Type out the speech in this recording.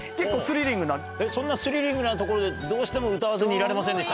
そんなスリリングな所でどうしても歌わずにいられませんでした？